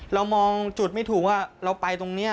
เรามองจุดไม่ถูกว่าเราไปตรงนี้